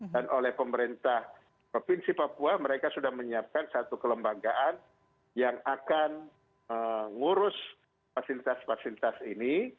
dan oleh pemerintah provinsi papua mereka sudah menyiapkan satu kelembagaan yang akan mengurus fasilitas fasilitas ini